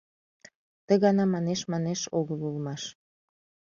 Ты гана манеш-манеш огыл улмаш.